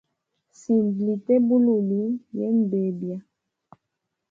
Sinda lite bululi yena bebya.